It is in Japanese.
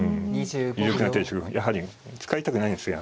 有力な手ですけどやはり使いたくないんですよ